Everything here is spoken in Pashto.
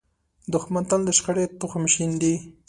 دښمن تل د شخړې تخم شیندي